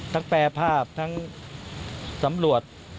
แปรภาพทั้งสำรวจ